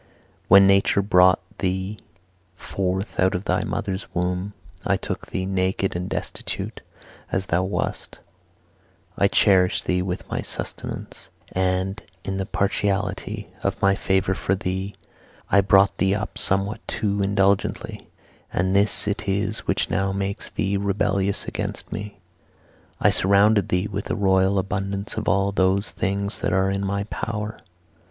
When nature brought thee forth out of thy mother's womb, I took thee, naked and destitute as thou wast, I cherished thee with my substance, and, in the partiality of my favour for thee, I brought thee up somewhat too indulgently, and this it is which now makes thee rebellious against me. I surrounded thee with a royal abundance of all those things that are in my power.